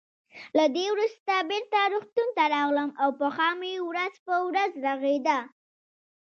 له دې وروسته بېرته روغتون ته راغلم او پښه مې ورځ په ورځ رغېده.